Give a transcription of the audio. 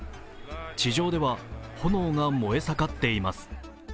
地上では炎が燃え盛っています。